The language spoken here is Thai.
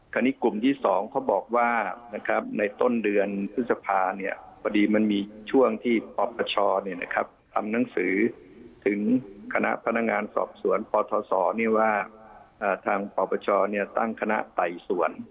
กลุ่มที่๒เขาบอกว่าในต้นเดือนพฤษภาพอดีมันมีช่วงที่ปปชทำหนังสือถึงคณะพนักงานสอบสวนปทศว่าทางปปชตั้งคณะไต่สวน